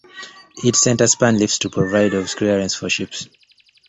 Its center span "lifts" to provide of clearance for ships.